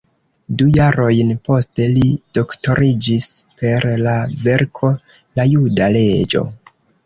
Du jarojn poste li doktoriĝis per la verko "La juda leĝo.